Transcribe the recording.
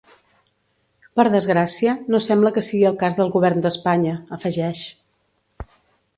Per desgràcia, no sembla que sigui el cas del govern d’Espanya, afegeix.